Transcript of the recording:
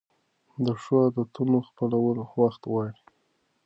د ښو عادتونو خپلول وخت غواړي.